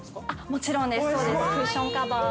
◆もちろんです。